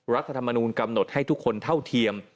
รัฐธรรมนูลกำหนดให้ทุกคนเท่าเทียม